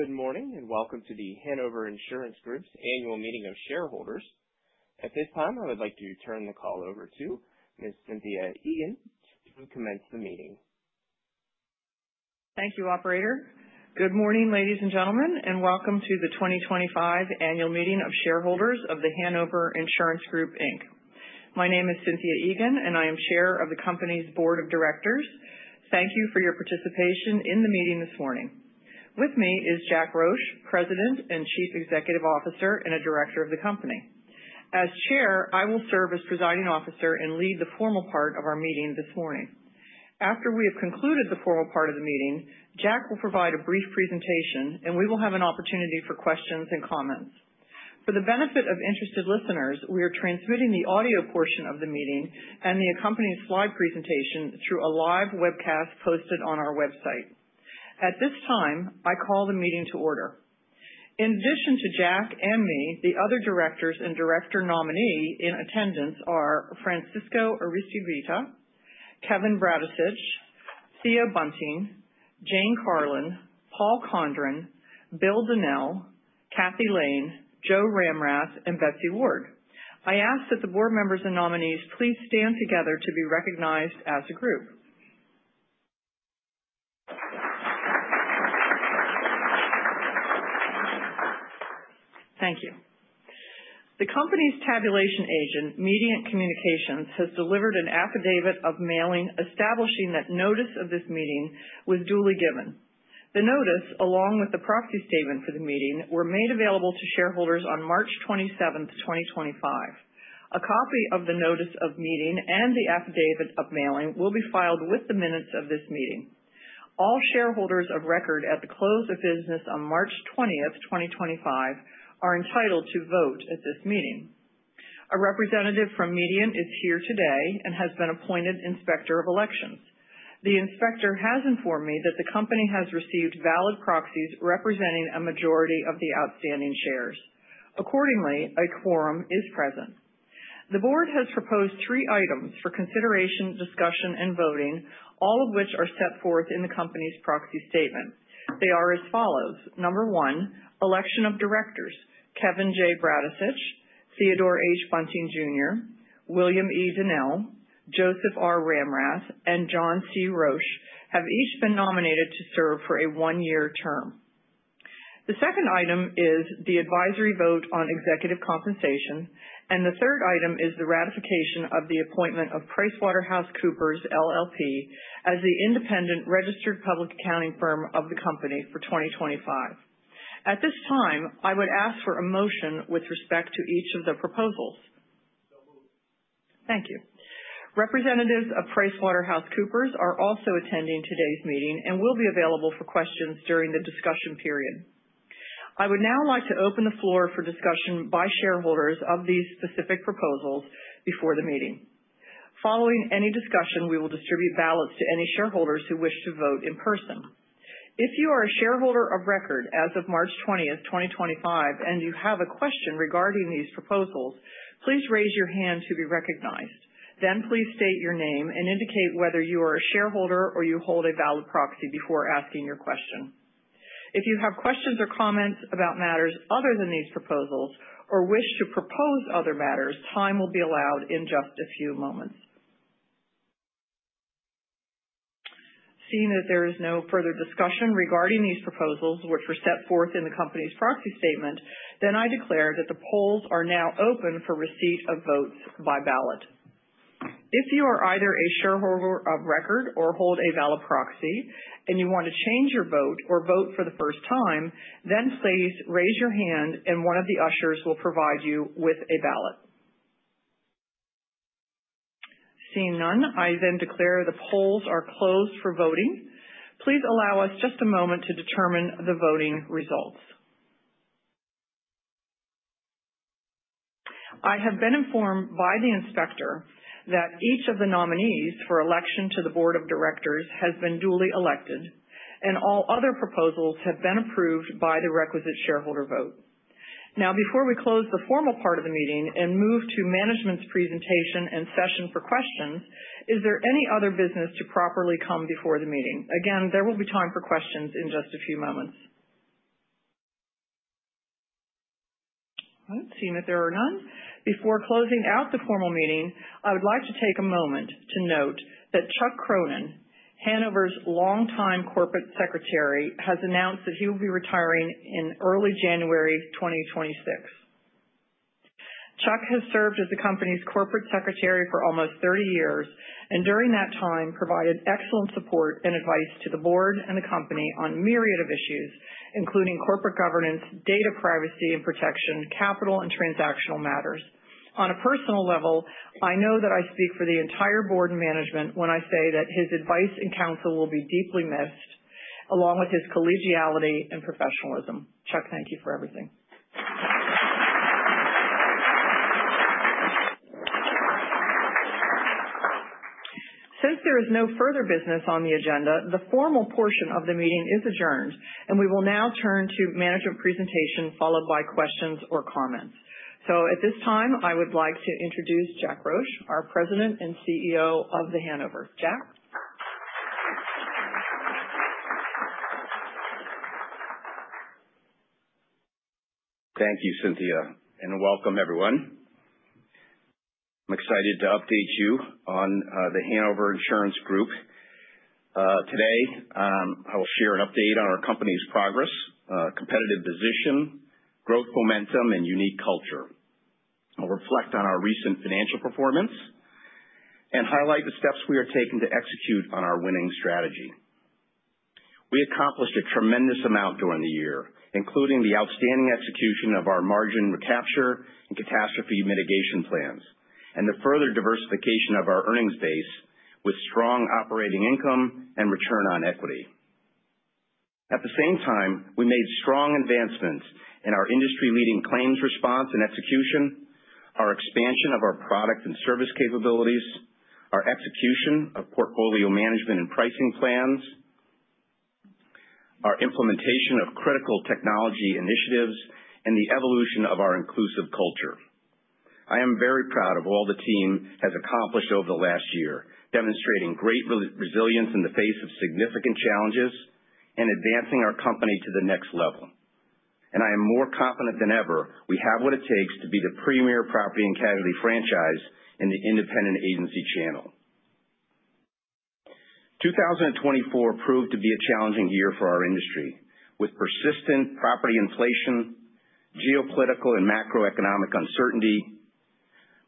Good morning, and welcome to The Hanover Insurance Group's annual meeting of shareholders. At this time, I would like to turn the call over to Ms. Cynthia Egan to commence the meeting. Thank you, operator. Good morning, ladies and gentlemen, and welcome to the 2025 annual meeting of shareholders of The Hanover Insurance Group, Inc. My name is Cynthia Egan, and I am Chair of the company's Board of Directors. Thank you for your participation in the meeting this morning. With me is Jack Roche, President and Chief Executive Officer, and a director of the company. As Chair, I will serve as presiding officer and lead the formal part of our meeting this morning. After we have concluded the formal part of the meeting, Jack will provide a brief presentation, and we will have an opportunity for questions and comments. For the benefit of interested listeners, we are transmitting the audio portion of the meeting and the accompanying slide presentation through a live webcast posted on our website. At this time, I call the meeting to order. In addition to Jack and me, the other directors and director nominee in attendance are Francisco Aristeguieta, Kevin Bradicich, Theo Bunting, Jane Carlin, Paul Condrin, Bill Donnell, Kathy Lane, Joe Ramrath, and Betsy Ward. I ask that the board members and nominees please stand together to be recognized as a group. Thank you. The company's tabulation agent, Mediant Communications, has delivered an affidavit of mailing establishing that notice of this meeting was duly given. The notice, along with the proxy statement for the meeting, were made available to shareholders on March 27th, 2025. A copy of the notice of meeting and the affidavit of mailing will be filed with the minutes of this meeting. All shareholders of record at the close of business on March 20th, 2025, are entitled to vote at this meeting. A representative from Mediant is here today and has been appointed Inspector of Elections. The inspector has informed me that the company has received valid proxies representing a majority of the outstanding shares. Accordingly, a quorum is present. The board has proposed three items for consideration, discussion, and voting, all of which are set forth in the company's proxy statement. They are as follows. Number one, election of directors. Kevin J. Bradicich, Theodore H. Bunting, Jr., William E. Donnell, Joseph R. Ramrath, and John C. Roche have each been nominated to serve for a one-year term. The second item is the advisory vote on executive compensation, and the third item is the ratification of the appointment of PricewaterhouseCoopers LLP as the independent registered public accounting firm of the company for 2025. At this time, I would ask for a motion with respect to each of the proposals. So moved. Thank you. Representatives of PricewaterhouseCoopers are also attending today's meeting and will be available for questions during the discussion period. I would now like to open the floor for discussion by shareholders of these specific proposals before the meeting. Following any discussion, we will distribute ballots to any shareholders who wish to vote in person. If you are a shareholder of record as of March 20th, 2025, and you have a question regarding these proposals, please raise your hand to be recognized. Please state your name and indicate whether you are a shareholder or you hold a valid proxy before asking your question. If you have questions or comments about matters other than these proposals or wish to propose other matters, time will be allowed in just a few moments. Seeing that there is no further discussion regarding these proposals, which were set forth in the company's proxy statement, then I declare that the polls are now open for receipt of votes by ballot. If you are either a shareholder of record or hold a valid proxy and you want to change your vote or vote for the first time, then please raise your hand and one of the ushers will provide you with a ballot. Seeing none, I then declare the polls are closed for voting. Please allow us just a moment to determine the voting results. I have been informed by the inspector that each of the nominees for election to the board of directors has been duly elected and all other proposals have been approved by the requisite shareholder vote. Now, before we close the formal part of the meeting and move to management's presentation and session for questions, is there any other business to properly come before the meeting? Again, there will be time for questions in just a few moments. Seeing that there are none, before closing out the formal meeting, I would like to take a moment to note that Chuck Cronin, Hanover's longtime Corporate Secretary, has announced that he will be retiring in early January 2026. Chuck has served as the company's Corporate Secretary for almost 30 years, and during that time provided excellent support and advice to the board and the company on a myriad of issues, including corporate governance, data privacy and protection, capital, and transactional matters. On a personal level, I know that I speak for the entire board and management when I say that his advice and counsel will be deeply missed, along with his collegiality and professionalism. Chuck, thank you for everything. Since there is no further business on the agenda, the formal portion of the meeting is adjourned, and we will now turn to management presentation, followed by questions or comments. At this time, I would like to introduce Jack Roche, our President and CEO of The Hanover. Jack? Thank you, Cynthia, and welcome everyone. I am excited to update you on The Hanover Insurance Group. Today, I will share an update on our company's progress, competitive position, growth momentum, and unique culture. I will reflect on our recent financial performance and highlight the steps we are taking to execute on our winning strategy. We accomplished a tremendous amount during the year, including the outstanding execution of our margin recapture and catastrophe mitigation plans, and the further diversification of our earnings base with strong operating income and return on equity. At the same time, we made strong advancements in our industry-leading claims response and execution, our expansion of our product and service capabilities, our execution of portfolio management and pricing plans, our implementation of critical technology initiatives, and the evolution of our inclusive culture. I am very proud of all the team has accomplished over the last year, demonstrating great resilience in the face of significant challenges and advancing our company to the next level. I am more confident than ever we have what it takes to be the premier property and casualty franchise in the independent agency channel. 2024 proved to be a challenging year for our industry, with persistent property inflation, geopolitical and macroeconomic uncertainty,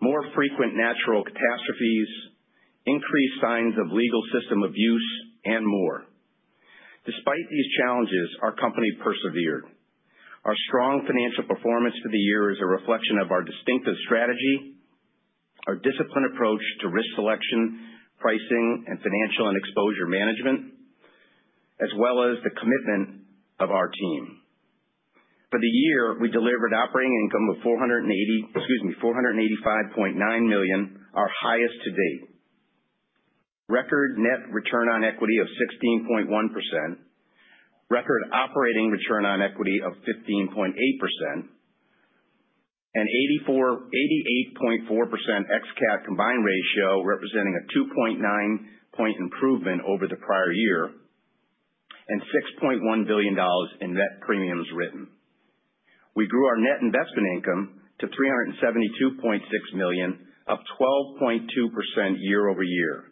more frequent natural catastrophes, increased signs of legal system abuse, and more. Despite these challenges, our company persevered. Our strong financial performance for the year is a reflection of our distinctive strategy, our disciplined approach to risk selection, pricing, and financial and exposure management, as well as the commitment of our team. For the year, we delivered operating income of $480, excuse me, $485.9 million, our highest to date. Record net return on equity of 16.1%, record operating return on equity of 15.8%, and 88.4% ex-CAT combined ratio, representing a 2.9 point improvement over the prior year, and $6.1 billion in net premiums written. We grew our net investment income to $372.6 million, up 12.2% year-over-year,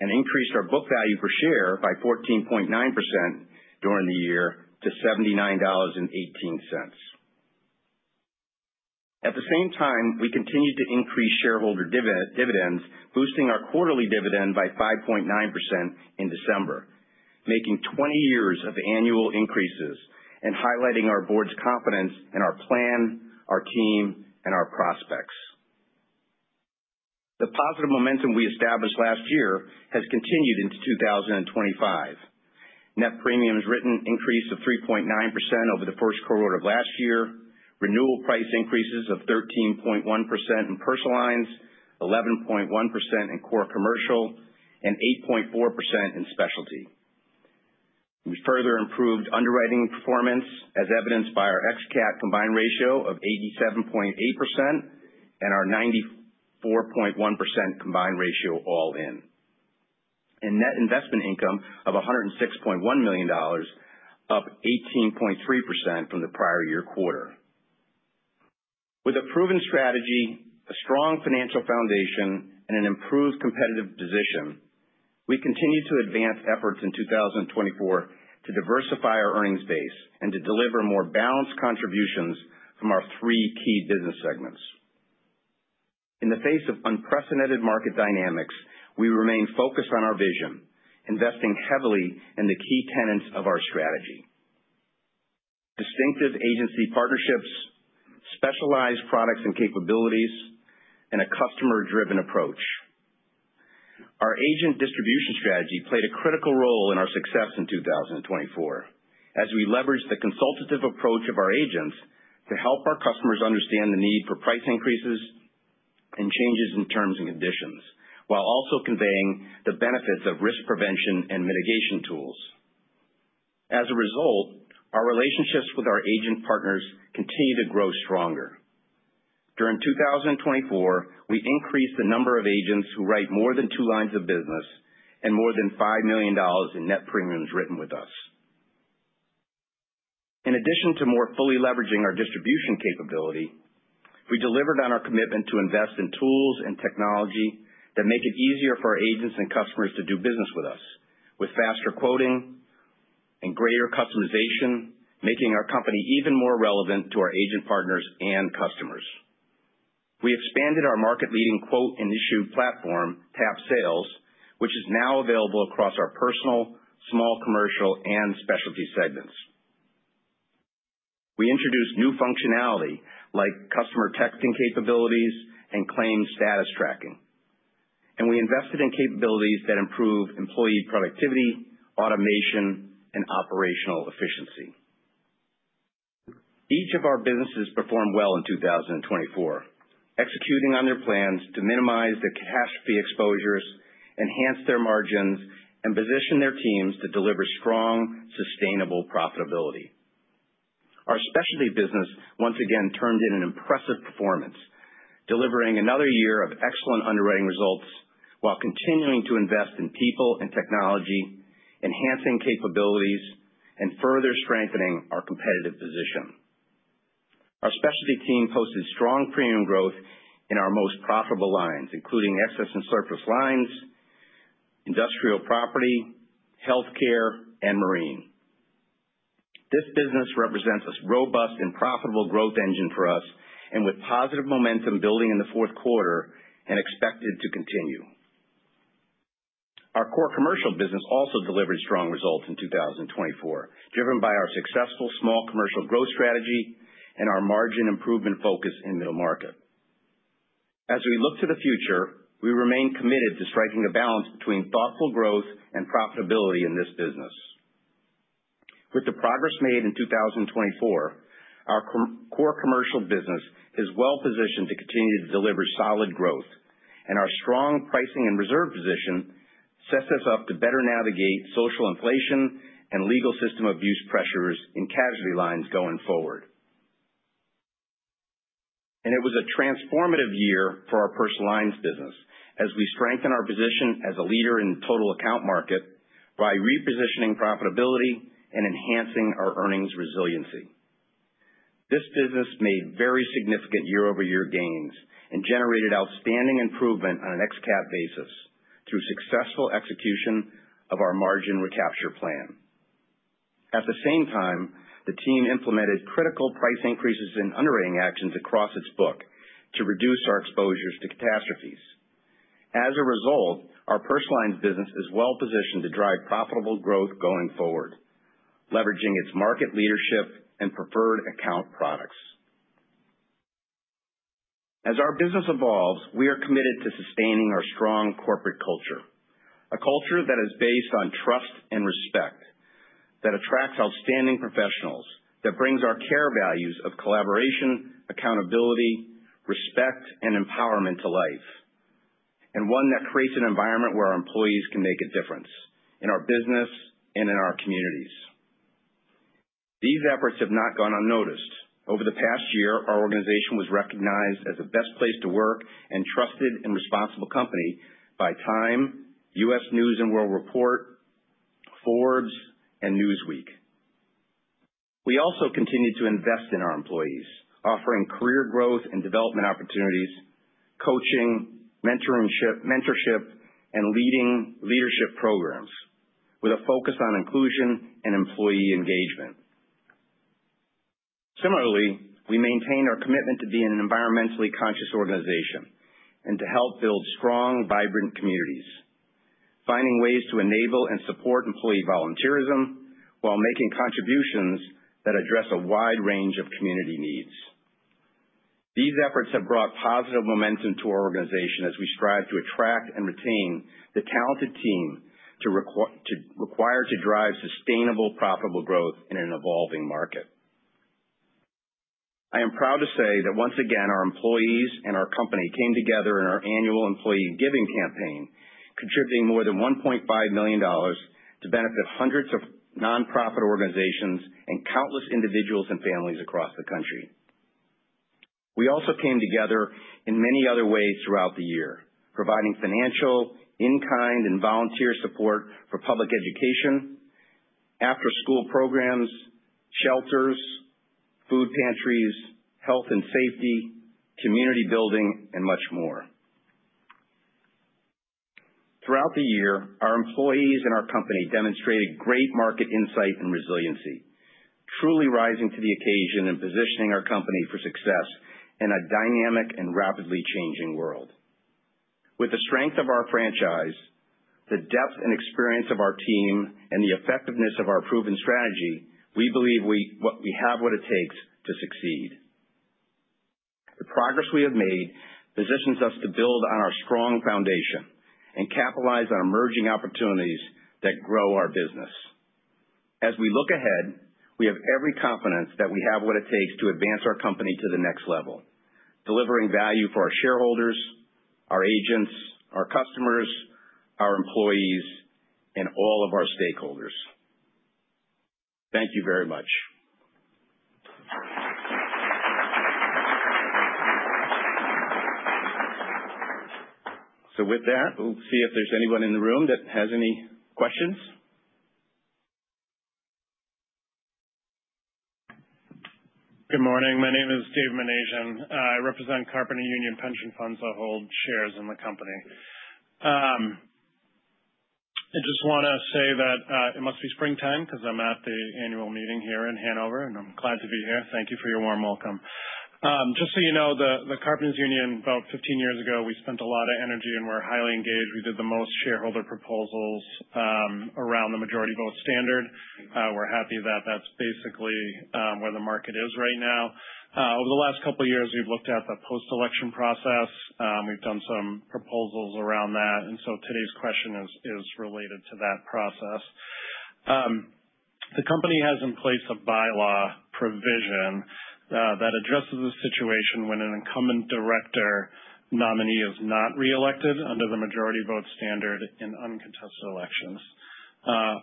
and increased our book value per share by 14.9% during the year to $79.18. At the same time, we continued to increase shareholder dividends, boosting our quarterly dividend by 5.9% in December, making 20 years of annual increases and highlighting our board's confidence in our plan, our team, and our prospects. The positive momentum we established last year has continued into 2025. Net premiums written increased to 3.9% over the first quarter of last year, renewal price increases of 13.1% in personal lines, 11.1% in core commercial, and 8.4% in specialty. We further improved underwriting performance, as evidenced by our ex-CAT combined ratio of 87.8% and our 94.1% combined ratio all-in. Net investment income of $106.1 million, up 18.3% from the prior year quarter. With a proven strategy, a strong financial foundation, and an improved competitive position, we continued to advance efforts in 2024 to diversify our earnings base and to deliver more balanced contributions from our three key business segments. In the face of unprecedented market dynamics, we remain focused on our vision, investing heavily in the key tenets of our strategy. Distinctive agency partnerships, specialized products and capabilities, and a customer-driven approach. Our agent distribution strategy played a critical role in our success in 2024 as we leveraged the consultative approach of our agents to help our customers understand the need for price increases and changes in terms and conditions, while also conveying the benefits of risk prevention and mitigation tools. As a result, our relationships with our agent partners continue to grow stronger. During 2024, we increased the number of agents who write more than two lines of business and more than $5 million in net premiums written with us. In addition to more fully leveraging our distribution capability, we delivered on our commitment to invest in tools and technology that make it easier for our agents and customers to do business with us, with faster quoting and greater customization, making our company even more relevant to our agent partners and customers. We expanded our market-leading quote and issue platform, TAP Sales, which is now available across our personal, small commercial, and specialty segments. We introduced new functionality like customer texting capabilities and claim status tracking. We invested in capabilities that improve employee productivity, automation, and operational efficiency. Each of our businesses performed well in 2024, executing on their plans to minimize the catastrophe exposures, enhance their margins, and position their teams to deliver strong, sustainable profitability. Our specialty business once again turned in an impressive performance, delivering another year of excellent underwriting results while continuing to invest in people and technology, enhancing capabilities and further strengthening our competitive position. Our specialty team posted strong premium growth in our most profitable lines, including excess and surplus lines, industrial property, healthcare, and marine. This business represents a robust and profitable growth engine for us, with positive momentum building in the fourth quarter and expected to continue. Our core commercial business also delivered strong results in 2024, driven by our successful small commercial growth strategy and our margin improvement focus in middle market. As we look to the future, we remain committed to striking a balance between thoughtful growth and profitability in this business. With the progress made in 2024, our core commercial business is well-positioned to continue to deliver solid growth, and our strong pricing and reserve position sets us up to better navigate social inflation and legal system abuse pressures in casualty lines going forward. It was a transformative year for our personal lines business as we strengthen our position as a leader in total account market by repositioning profitability and enhancing our earnings resiliency. This business made very significant year-over-year gains and generated outstanding improvement on an ex-CAT basis through successful execution of our margin recapture plan. At the same time, the team implemented critical price increases and underwriting actions across its book to reduce our exposures to catastrophes. As a result, our personal lines business is well-positioned to drive profitable growth going forward, leveraging its market leadership and preferred account products. As our business evolves, we are committed to sustaining our strong corporate culture. A culture that is based on trust and respect, that attracts outstanding professionals, that brings our CARE values of collaboration, accountability, respect, and empowerment to life, and one that creates an environment where our employees can make a difference in our business and in our communities. These efforts have not gone unnoticed. Over the past year, our organization was recognized as a best place to work and trusted and responsible company by Time, U.S. News & World Report, Forbes, and Newsweek. We also continue to invest in our employees, offering career growth and development opportunities, coaching, mentorship, and leadership programs with a focus on inclusion and employee engagement. Similarly, we maintain our commitment to being an environmentally conscious organization and to help build strong, vibrant communities, finding ways to enable and support employee volunteerism while making contributions that address a wide range of community needs. These efforts have brought positive momentum to our organization as we strive to attract and retain the talented team required to drive sustainable, profitable growth in an evolving market. I am proud to say that once again, our employees and our company came together in our annual employee giving campaign, contributing more than $1.5 million to benefit hundreds of nonprofit organizations and countless individuals and families across the country. We also came together in many other ways throughout the year, providing financial, in-kind, and volunteer support for public education, after-school programs, shelters, food pantries, health and safety, community building, and much more. Throughout the year, our employees and our company demonstrated great market insight and resiliency, truly rising to the occasion and positioning our company for success in a dynamic and rapidly changing world. With the strength of our franchise, the depth and experience of our team, and the effectiveness of our proven strategy, we believe we have what it takes to succeed. The progress we have made positions us to build on our strong foundation and capitalize on emerging opportunities that grow our business. As we look ahead, we have every confidence that we have what it takes to advance our company to the next level, delivering value for our shareholders, our agents, our customers, our employees, and all of our stakeholders. Thank you very much. With that, we'll see if there's anyone in the room that has any questions. Good morning. My name is David Minasian. I represent Carpenters Union Pension Funds that hold shares in The Hanover. I just want to say that it must be springtime because I'm at the annual meeting here in The Hanover, and I'm glad to be here. Thank you for your warm welcome. Just so you know, the Carpenters Union, about 15 years ago, we spent a lot of energy and we're highly engaged. We did the most shareholder proposals around the majority vote standard. We're happy that that's basically where the market is right now. Over the last couple of years, we've looked at the post-election process. We've done some proposals around that, and today's question is related to that process. The company has in place a bylaw provision that addresses the situation when an incumbent director nominee is not reelected under the majority vote standard in uncontested elections.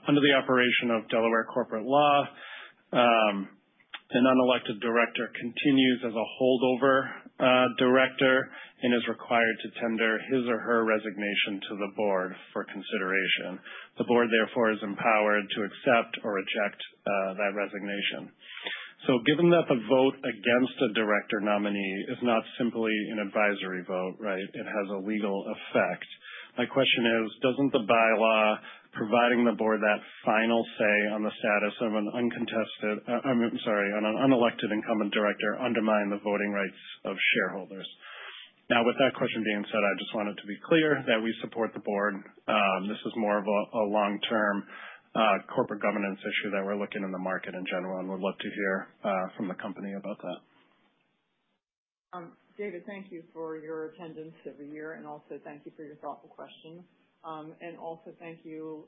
Under the operation of Delaware corporate law, an unelected director continues as a holdover director and is required to tender his or her resignation to the board for consideration. The board, therefore, is empowered to accept or reject that resignation. Given that the vote against a director nominee is not simply an advisory vote, right? It has a legal effect. My question is, doesn't the bylaw providing the board that final say on the status of an unelected incumbent director undermine the voting rights of shareholders? With that question being said, I just want it to be clear that we support the board. This is more of a long-term corporate governance issue that we're looking in the market in general, and would love to hear from the company about that. David, thank you for your attendance every year, and also thank you for your thoughtful questions. Also thank you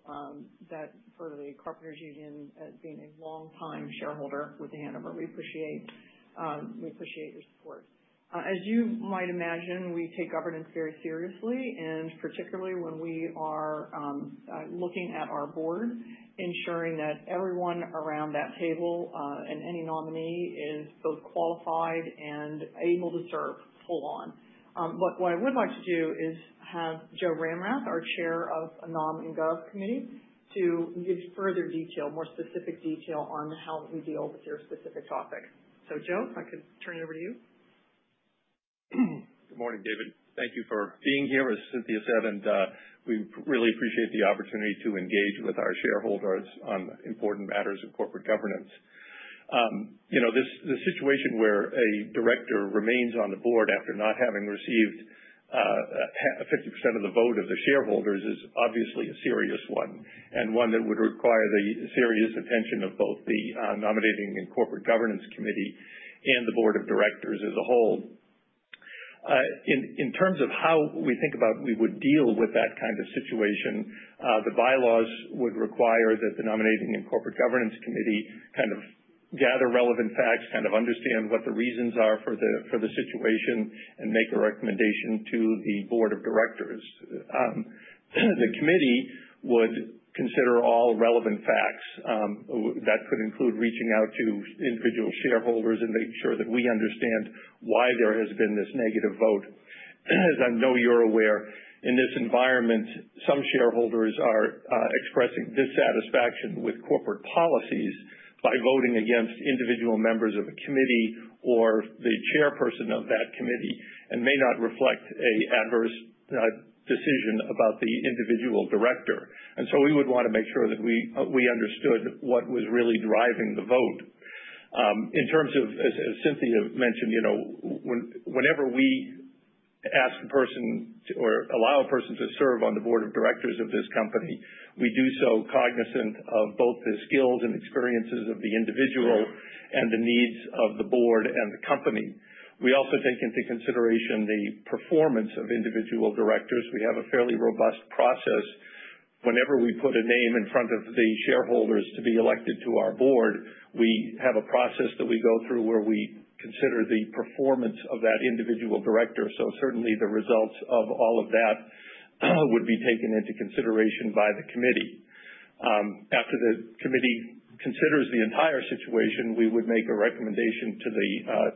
for the Carpenters Union as being a long time shareholder with The Hanover. We appreciate your support. As you might imagine, we take governance very seriously, and particularly when we are looking at our board, ensuring that everyone around that table, and any nominee is both qualified and able to serve full on. What I would like to do is have Joe Ramrath, our chair of Nom and Gov committee, to give further detail, more specific detail on how we deal with your specific topic. Joe, if I could turn it over to you. Good morning, David. Thank you for being here, as Cynthia said, and we really appreciate the opportunity to engage with our shareholders on important matters of corporate governance. The situation where a director remains on the board after not having received 50% of the vote of the shareholders is obviously a serious one, and one that would require the serious attention of both the Nominating and Corporate Governance Committee and the board of directors as a whole. In terms of how we would deal with that kind of situation, the bylaws would require that the Nominating and Corporate Governance Committee gather relevant facts, understand what the reasons are for the situation, and make a recommendation to the board of directors. The committee would consider all relevant facts. That could include reaching out to individual shareholders and making sure that we understand why there has been this negative vote. As I know you're aware, in this environment, some shareholders are expressing dissatisfaction with corporate policies by voting against individual members of a committee or the chairperson of that committee and may not reflect an adverse decision about the individual director. We would want to make sure that we understood what was really driving the vote. In terms of, as Cynthia mentioned, whenever we ask a person or allow a person to serve on the board of directors of this company, we do so cognizant of both the skills and experiences of the individual and the needs of the board and the company. We also take into consideration the performance of individual directors. We have a fairly robust process. Whenever we put a name in front of the shareholders to be elected to our board, we have a process that we go through where we consider the performance of that individual director. Certainly the results of all of that would be taken into consideration by the committee. After the committee considers the entire situation, we would make a recommendation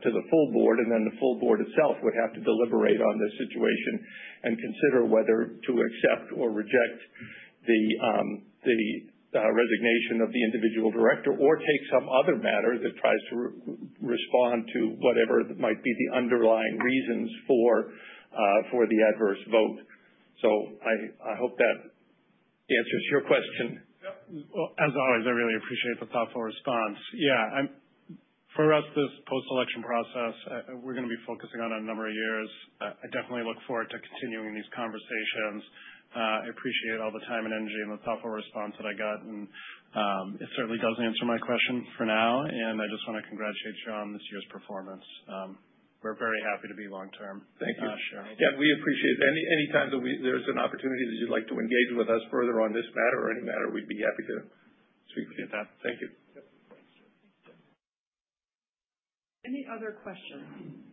to the full board. The full board itself would have to deliberate on this situation and consider whether to accept or reject the resignation of the individual director or take some other matter that tries to respond to whatever might be the underlying reasons for the adverse vote. I hope that answers your question. Yep. Well, as always, I really appreciate the thoughtful response. Yeah. For us, this post-election process, we're going to be focusing on a number of years. I definitely look forward to continuing these conversations. I appreciate all the time and energy and the thoughtful response that I got. It certainly does answer my question for now. I just want to congratulate you on this year's performance. We're very happy to be long-term shareholders. Thank you. Yeah, we appreciate any time that there's an opportunity that you'd like to engage with us further on this matter or any matter, we'd be happy to speak with you. Appreciate that. Thank you. Any other questions?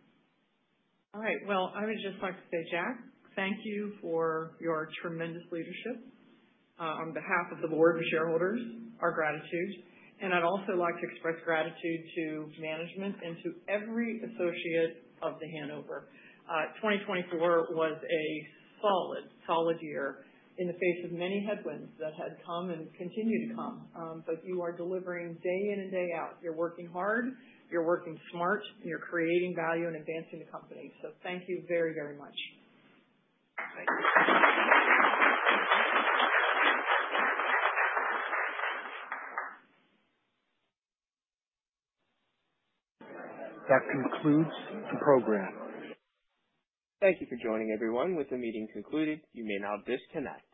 All right. Well, I would just like to say, Jack, thank you for your tremendous leadership. On behalf of the board of shareholders, our gratitude. I'd also like to express gratitude to management and to every associate of The Hanover. 2024 was a solid year in the face of many headwinds that had come and continue to come. You are delivering day in and day out. You're working hard, you're working smart, and you're creating value and advancing the company. Thank you very, very much. Thank you. That concludes the program. Thank you for joining, everyone. With the meeting concluded, you may now disconnect.